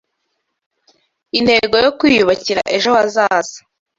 intego yo kwiyubakira ejo hazaza